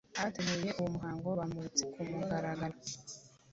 Abateguye uwo muhango bamuritse ku mugaragaro